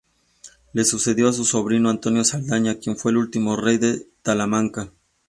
Le sucedió su sobrino Antonio Saldaña, quien fue el último rey de Talamanca.